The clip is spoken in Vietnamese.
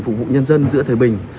phục vụ nhân dân giữa thời bình